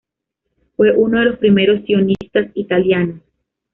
Fue uno de los primeros sionistas italianos.